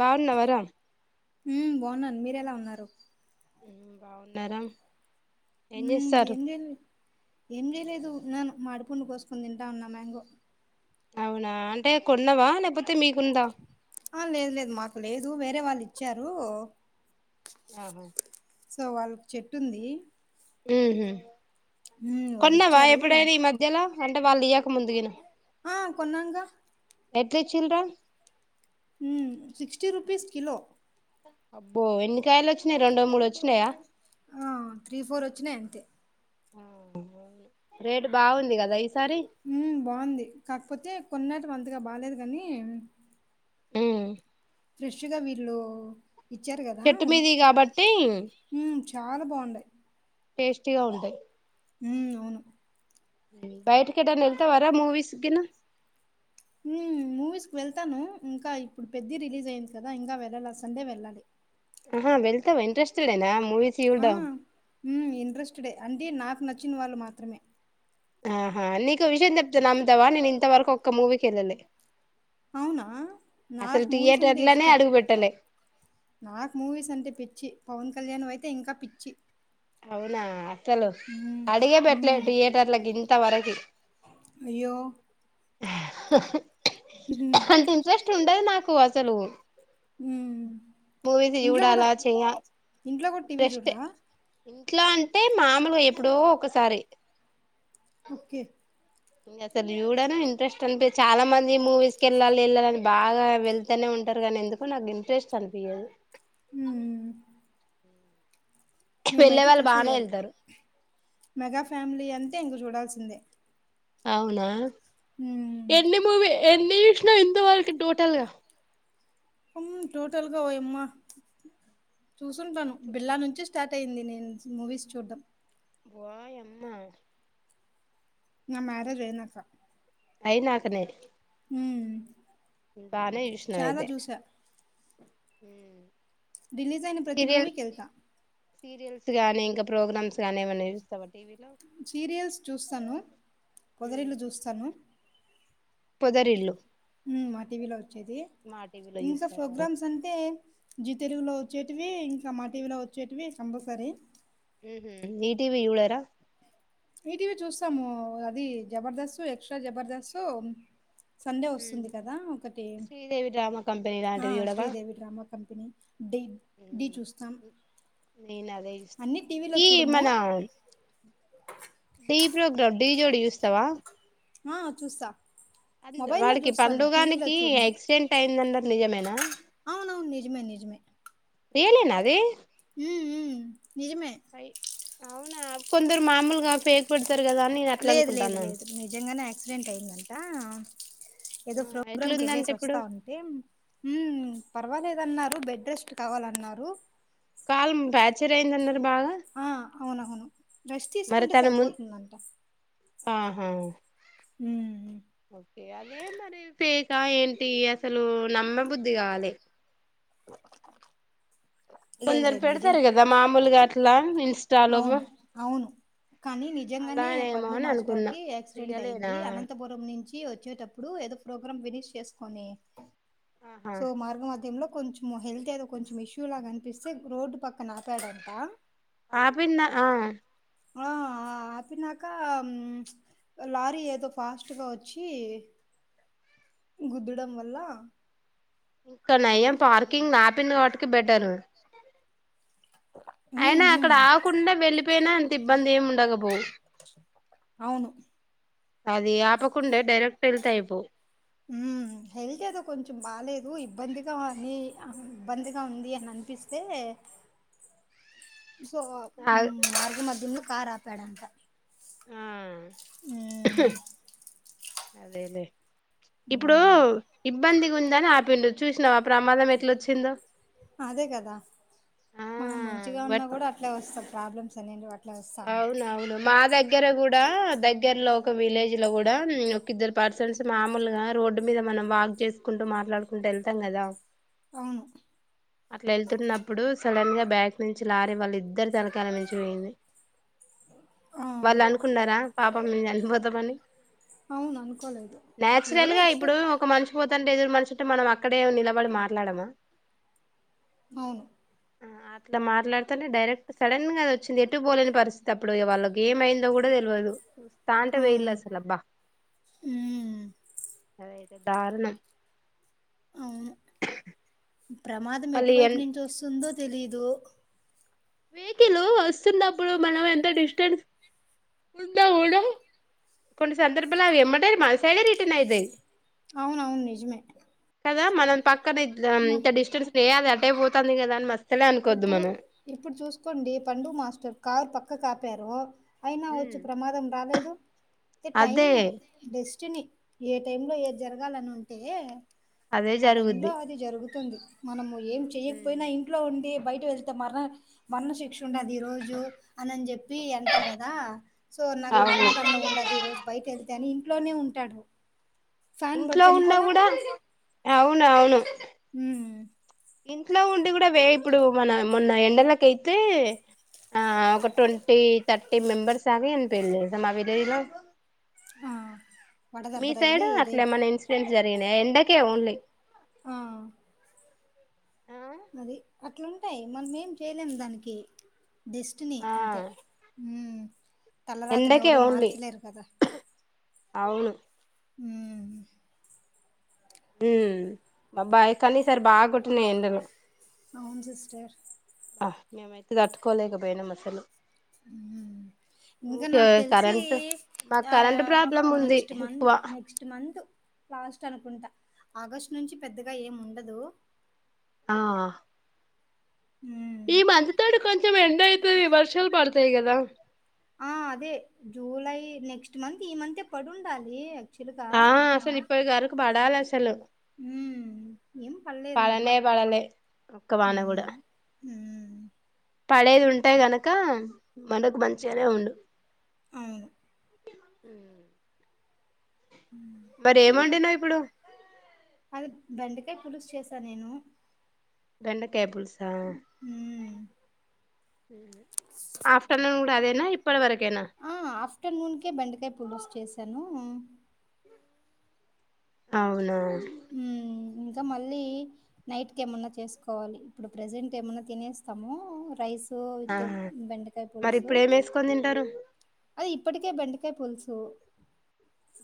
బాగున్నావరా హ్మ్ బాగున్నాను మీరెలా ఉన్నారు హ్మ్‌ బాగున్నారా ఏం హ్మ్ చేస్తారు ఏం చెల్ ఏం చేయలే దు ఉన్నాను మామిడిపండు కోసుకొని తింటా ఉన్నా మ్యాంగో అవునా అంటే కొన్నావా లేకపోతే మీకుందా ఆ లేదు లేదు మాకు లేదు వేరే వాళ్ళు ఇచ్చారు ఆహా సో వాళ్ళకి చెట్టు ఉంది ఉహూ ఉమ్ వాళ్ళు కొన్నావా ఇచ్చారు ఎప్పుడైనా ఈ మధ్యలో అంటే వాళ్ళు ఇయ్యాక ముందుగాని ఆ కొన్నాంగా ఎట్ల ఇచిండ్రా సిక్స్టీ రూపీస్ కిలో అబ్బో ఎన్ని కాయలు వచ్చినయ్ రెండో మూడో వచ్చినాయా ఆ త్రీ ఫోర్ వచ్చినయ్ అంతే రేట్ బాగుంది కదా ఈ హ్మ్ బాగుంది కాకపోతే కొనటం అంతగా బాలేదు కానీ హ్మ్ ఫ్రెష్గా వీళ్ళు ఇచ్చారు కదా చెట్టు మీది కాబట్టి చానా బాగుంటాయ్ టేస్టీగా ఉంటాయ్ హ్మ్ అవును బయటకి ఎటనా వెల్తావరా మూవీస్కి గాని మూవీస్కి వెళ్తాను ఇంకా ఇప్పుడు పెద్ది రిలీజ్ అయింది కదా ఇంకా వెళ్ళాలా సండే వెళ్ళాలి ఆహా వెళ్తావా ఇంట్రెస్టెడేనా మూవీస్ చూడడం డే అంటే నాకు నచ్చిన వాళ్ళు మాత్రమే ఆహా నీకు ఓ విషయం చెప్తే నమ్ముతవా నేను ఇంతవరకు ఒక్క మూవీకి వెళ్ళలే అవునా? అసలు నాకు మూవీస్ అంటే థియేటర్లానే ఇష్టం. అడుగు పెట్టలే నాకు మూవీస్ అంటే పిచ్చి పవన్ కళ్యాణ్ వి అయితే ఇంకా పిచ్చి అవునా అసలు హ్మ్. అడిగే పెట్టలే హ్మ్. థియేటర్లకి ఇంత వరకీ అయ్యో అంత ఇంట్రెస్ట్ ఉండదు నాకు అసలు హ్మ్ మూవీస్ ఇంట్లో గూడా జూడాలా చెయా ఇంట్లో గూడా టీవీ ఇంట్రెస్టే చూడరా? ఎట్లా అంటే మాములగా ఎప్పుడో ఒకసారి ఓకే ఇంగసలు యూడను ఇంట్రెస్ట్ అన్పి చాలా మంది మూవీస్ కెళ్ళాలి వెళ్ళాలని బాగా వెళ్తూనే ఉ అంటరు గని ఎందుకొ నాకు ఇంట్రెస్ట్ అనిపియదు హ్మ్. వెళ్ళే మేమైతే వాళ్ళు బానే చూసేయాలి వెళ్తారు మెగా ఫ్యామిలీ అంటే ఇంగ చూడాల్సిందే అవునా హ్మ్. ఎన్ని మూవీ ఎన్ని ఎంతవరకు టోటల్గా ఉం టోటల్గా ఓయమ్మా చూసుంటాను బిళ్లా నుంచి స్టార్ట్ అయింది నేను మూవీస్ చూట్టం వోయమ్మ న మ్యారేజ్ ఐనాక అయి నాకనే మ్ బానే జూష్ణవయితే రిలీజ్ అయిన ప్రతీ మూవీకెళ్తా సీరియల్స్ గానీ ఇంక ప్రోగ్రామ్స్ గానీ ఏమైనా జూస్తవ సీరియల్స్ చూస్తాను పొదరిల్లు చూస్తాను పొదరిల్లు మ్ మ టీవీలో వచ్చేది మా టీవీలో ఇంక చూస్తారా ఫోగ్రామ్స్ అంటే జి తెలుగులో ఒచ్చేవి ఇంకా మా టీవీలో ఒచ్చేటివి కంపల్సరీ మ్హ్ ఈటీవి యూడరా ఈటీవీ చూస్తాము అది జబర్దస్త్ ఎక్స్ట్రా జబర్దస్త్ సండే ఒస్తుంది కదా ఒకటి శ్రీదేవి డ్రామా కంపెనీ ఆ లాంటివి చూడవా శ్రీదేవి రామా కంపెనీ డి డీ చూస్తాం నేన్ అదే యూస్తా అన్ని టీవీలో ఈ చూడము మన టి డీ ప్రోగ్రామ్ డీ జోడి జూస్తవా ఆ చూస్తా అ మొబైల్లో వాడికి చూస్తాను టీవీలో పండుగనికి చూడను యాక్సిడెంట్ అయిందన్నరు నిజమేనా అవునవును నిజమే నిజమే రియలేనాది ఉమ్ ఉమ్ నిజమే అవునా కొందరు మామూలుగా ఫేక్ పెడు లేదు లేదు లేదు నిజంగానే యాక్సిడెంట్ అయిందంట ఏదో ఆ ఫోగ్రాం క్ ఎట్లుందంటే ఎళ్ళేసి ఇప్పుడు ఒస్తా ఉంటే పర్వాలేదు న్నారు బెడ్ రెస్ట్ కావాలన్నారు కాల్మ్ ఫ్ర్యాచర్ అయిందన్నరు ఆ అవునవును రెష్ట్ మరి తీసుకుంటే తన ము సరిపోతుందంట ఆహా ఉం ఒకే అదే మరి ఫేకా ఏంటి అసలు నమ్మ బుద్ధిగాలే లేదు కొందరు లేదు నిజం పెడతారు కదా మామూలుగ అట్లా ఇన్స్టాలో అవును అవును కానీ నిజంగానే అలానేమో పండు అని మాస్టర్ అనుకున్నా కి యాక్సిడెంట్ రియలేనా అయింది అనంతపురం నుంచి ఇ ఒచ్చేటప్పుడు ఏదో ప్రోగ్రాం ఫినిష్ చేసుకొని ఆహా సో మార్గ మధ్యంలో కొంచెం హెల్త్ ఏదో కొంచెం ఇష్యూ లా గనిపిస్తే రోడ్ పక్క ఆ పిన్న ఆ ఆ ఆపినాక లారీ ఏదో ఫాస్ట్గా ఒచ్చీ గుద్దుడం వల్ల ఇంకా నయం పార్కింగ్ ల ఆపందిగావట్కి బెటరు ఉమ్ అయినా అక్కడ ఉమ్ ఆకుండా వెళ్ళిపోయినా అంత ఇబ్బంది ఏమి ఉండకపోవు అవును అది ఆపకుండే ఉమ్ హెల్త్ ఏదో కొంచెం బాలేదు ఇబ్బందిగా ఉ బందగా ఉంది అని అనిపిస్తే సో ఆ మార్గ మధ్యంలో కార్ ఆపాడంటా ఆ అదేలే ఇప్పుడు మ్మ్. ఇబ్బంది ఉందని ఆపిండు చూసినావు ఆ ప్రమాదం ఎట్లాచ్చిందో అదే కదా మనం మంచిగా ఉన్నా బట్ కూడా అట్లే వస్తాం ప్రాబ్లమ్స్ అనేంటి అవునవును మా దగ్గర కూడా దగ్గ దగ్గర లో ఒక విలేజ్ లో కూడా ఒక ఇద్దరు పర్సన్స్ మామూలుగా రోడ్డు మీద మనం వాక్ చేసుకుంటూ మా మాట్లాడుకుంటూ వెళ్తాం కదా అవును అట్లా వెళ్తున్నప్పుడు సడన్ గా బ్యాక్ నుంచి లారీ వాళ్ళ ఇద్దరు తలకాల మించి పోయింది ఆ వాళ్ళు అనుకున్నారా పాప మేము చనిపోతామని అవును అనుకోలేదు ఎవరు ఎక్స్పెక్ట్ అంటే ఎదురు మనిషంటే మనం అక్కడే నిలబడి మాట్లాడమా అవును అట్లా మాట్లాడుతనే డైరెక్ట్ సడన్ గాది వచ్చింది ఎటు పోలేని పరిస్థితి అప్పుడు వాళ్ళకి ఏమైందో కూడా తెదు తాంట ఆ, వెయిల్ సలబ్బా మ్మ్. అదేతే ధారుణ అవును ప్రమాదం మళ్ళీ ఎటువైపు ఎన్ నుంచి వస్తుందో తెలీదు వెహికల్ వస్తున్నప్పుడు మనం ఎంత డిస్టెన్స్ ఉందా ఊడు కొన్ని సందర్భాలు అవి ఎమ్మంటారు మనసాగ రిటర్న్ అయితేవి అవున అవును నిజమే కదా మనం పక్ పక్క ఇంత మ డిస్టెన్స్ వేయదు అటయి పోతుంది కదా అని మస్తలే అనుకోద్దు మనం చసుకోండి పండు మాస్టర్ కారు పక్క కాపారు అయినా వచ్చి హ్మ్ ప్రమాదం రాలేదు అతే అదే టైము డెస్టినీ ఏ టైమ్ లో ఏ జరగాలని ఉంటే అదే జరుగుద్ది గుతు మనము ఏం చేయకపోయినా ఇంట్లో ఉండి బయట వెళ్తే మరణ మరణ శిక్ష ఉండదు ఈ రోజు అని అని చెప్పి అంటారు కదా సో నాకు అవును మరణకండం ఉండదు ఈ రోజు పై వెళ్తేని ఇంట్లోనే ఉంటాడు ఫ్యాన్ పడి ఇంట్లో ఉన్నా చనిపోలా కూడా అవును అవును హు ఇంట్లో ఉండి కూడా వే ఇప్పుడు మన మొన్న ఎండలక అైతే ఆ ఒక ట్వంటీ థర్టీ మెంబర్స్ ఆగ అని పెళ్ మా విలేజ్ లో ఆ వడదెబ్బ మీ సైడ్ తగిలి ఇదై అట్లే ఏమన్నా ఇన్సిడెంట్ జరిగినా ఎండకే ఓన్లీ ఆ అది అట్లుంటాయి మనం ఏం చేయలేం దానికి డెస్ట్ని ఆ అంతే ఎండకే తలరాత్రనివ ఓన్లీ మార్చలేరు కదా అవును ఉ ఉ అబ్బాయి కనీసరి బాగా కుట్టినయి ఎండాలు అవును సిస్టర్ మేమైతే తట్కోలేకపోయియానాం అసలు ఇంకా ఊకే నాకు తెలిసి కరెంట్ మాకు యా కరెంట్ యా ప్రాబ్లం ఉంది నెక్స్ట్ ఎక్కువ మంత్ నెక్స్ట్ మంత్ లాస్ట్ అనుకుంటా ఆగస్టు నుంచి పెద్దగా ఏం ఉండదు ఆ ఉమ్ ఈ మంచ తాడు కొంచెం ఎండ అయితుది వర్షాలు పడతాయి కదా ఆ అదే జూలై నెక్స్ట్ మంత్ ఈ మంత్ే పడి ఉండాలి ఆ అసలు ఇప్పడు గరకు పడాలి అసలు ఉమ్ ఏం పల్ళలేరు మారి పడనే పడలే ఒక్క వాన కూడా పడేది ఉంటేయి గనక మనకు మంచిగానే ఉండు అవును అ ఇకా వండినావ్ ఇప్పుడు అది బండ అే పులుసు చేసా నేను రండ కేబిల్స్ హ ఆఫ్టర్నూన్ కూడా అదేనా ఇప్పటి వరకేనా ఆ ఆఫ్టర్నూన్కే బెండకాయ పోులిస్ చేశాను అవునా ఉ ఇంకా మళ్ళీ నైట్ క ఏమన్నా చేసుకోవాలి ఇప్పుడు ప్రెజెంట్ ఏమన్నా తినేస్తామో రైస్ ఆా విత్ బెండకాయ మరి పులుసు ఇప్పుడు ఏం వేసుకొని తింటారు అది ఇప్పటికే బంటకే పులుసు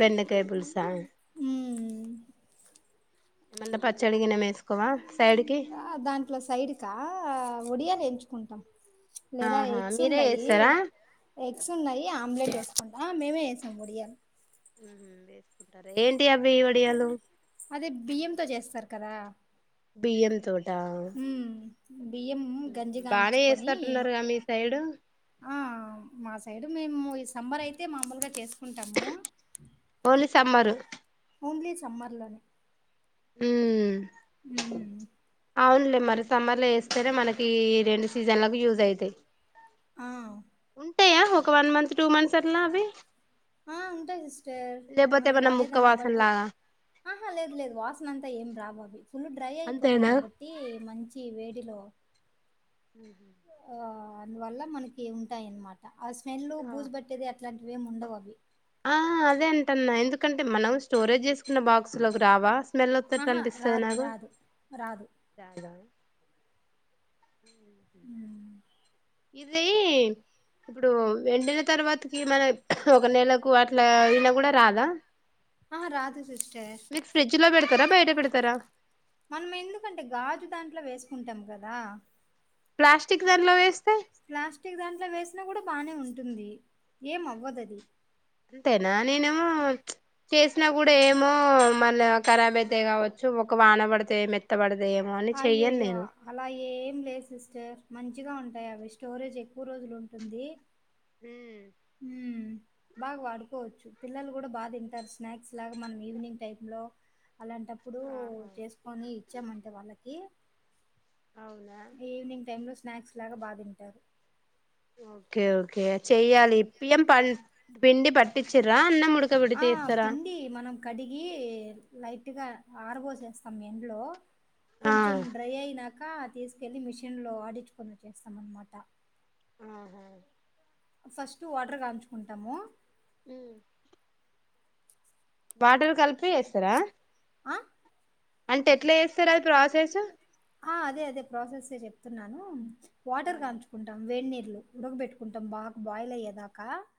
పెన్నకాయపుులుసా మ్మ్, ఏమన్నా పచ్చడి గిన వేసుకోవా సైడ్ కి ఆ దాంట్లో సైడ్కా ఒడియాలు ఎంచుకుంటాం లేదా ఆహా ఎగ్స్ మీరే ఉంటయి చేస్తారా ఎగ్స్ ఉన్నాయి ఆమ్లెట్ వేసుకుంటా మేమే వేసాం బొడియలు వేసుకుంటారు ఏంటి అవి వడియాలు అదే బియ్యంతో చేస్తారు కదా బియ్యలు తోలి ఉమ్ బియ్యం బానే గంజిగాంచుకొని వస్తట్టున్నారుగా మీ సైడు ఆ మా సైడు మేము ఈ సంబర్ అయితే మామూలుగా చేసుకుంటాము పోలి సామ్మారు ఓన్లీ సమ్మర్లోనే అవులే మరి సమ్మర్ లో వేస్తేనే మనకి రెండు సీజన్ లకు యూజ్ అయితాయి ఆ ఉంటాయా ఒక వన్ మంత్ టూ మంత్స్ అలా అవి ఆ ఉంటాయి సిస్టర్ లేకపోతే మనం ఏమన్నా ముక్క వాడేదాన్ని బట్టి వాసనలాగా ఆహా లేదు లేదు వాసన అంతా ఏం రాబాబు ఫుల్ డ్రై అయిపోతాయి అంతేనా కాబట్టి మంచి వేడిలో ఆ అందువల్ల మనకి ఉంటాయిన్నమాట ఆ స్మెల్ బూజు పట్టేది అట్లాంటివిేమి ఉండవు అవి ఆ అదే అంట అన్న ఎందుకంటే మనం స్టోరేజ్ చేసుకున్న బాక్సులోకి రావా స్మెల్ వస్తట్టు ఆహా అనిపిస్తుంది రాదు నాకు రాదు రాదు చ ఉమ్ ఇది ఇప్పుడు ఎండిన తర్వాతకి మన ఒక నెలకు అట్లా వినా కూడా రాదా ఆహా రాదు సిస్టర్ మీరు ఫ్రిడ్జ్ లో పెడతారా బయట పెడతారా మనం ఎందుకంటే గాజు దాంట్లో వేసుకుంటాం కదా ప్లాస్టిక్ దానిలో వేస్తే ప్లాస్టిక్ దాంట్లో వేసినా కూడా బాగానే ఉంట ఉంటుంది ఏం అవ్వదుది అంతేనా నేనేమో చేసినా కూడా ఏమో మళ్ళ ఖరాబ్ అయితేాయి కావచ్చు ఒక వాన పడితేా మెత్త పడిత అయ్యోయ్యో అలా ఏం లేదు సిస్టర్ మంచి మంచిగా ఉంటాయి అవి స్టోరేజ్ ఎక్కువ రోజులు ఉంటుంది ఉమా బాగా వాడుకోవచ్చు పిల్లలు కూడా బాగా తింటారు స్నాక్స్ లాగా మనం ఈవినింగ్ టై లో అలాంటప్పుడు ఆహా చేసుకొని ఇచ్చామంటే వాళ్ళకి అవునా ఈవినింగ్ టై లో స్నాక్స్ లాగా బాగా తింటారు ఓకే ఓకే చెయ్యాలి ఇప్పం పం పిండి పట్టిచరా అన్న ము ఆ పిండి మనం కడిగి లైక్ ఈగ ఆరబోసే సమయంలో ఆ కొంచెం డ్రై అయ్యాక అక తీసుకెళ్ళి మిషిన్లో ఆడించుకొని వచ్చేస్తాం అనమాట ఆహా ఫస్ట్ వాటర్ కాంచుకుంటాము హ వాటర్ కలిపి చేస్తారా ఆ అంటే ఎట్లా చేస్తారు అది ప్రాసెస్ ఆ అదే అదే ప్రాసెస్సె చెప్తున్నాను ఆ వాటర్ కాంచుకుంటాం వేడి లు ఉడగబ పెట్టుకుంటాం బాగా బాయిల్ అయ్యేదాకా